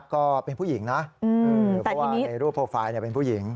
ก็เป็นผู้หญิงนะเพราะว่าในรูปโปรไฟล์เป็นผู้หญิง